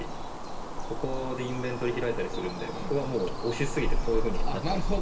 ここでインベントリ開いたりするんでここはもう押しすぎてこういうふうになってます。